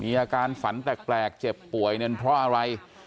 มีอาการฝันแตกเจ็บป่วยเพราะอะไร